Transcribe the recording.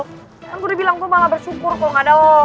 kan gue udah bilang gue malah bersyukur kalo ga ada lo